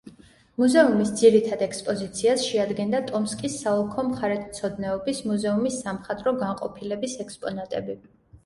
მუზეუმის ძირითად ექსპოზიციას შეადგენდა ტომსკის საოლქო მხარეთმცოდნეობის მუზეუმის სამხატვრო განყოფილების ექსპონატები.